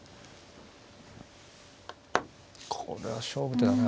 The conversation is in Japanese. これは勝負手だな。